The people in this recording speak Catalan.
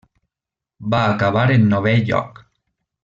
Va acabar en novè lloc.